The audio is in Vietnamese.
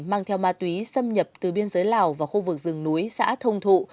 mang theo ma túy xâm nhập từ biên giới lào vào khu vực rừng núi xã thông thụ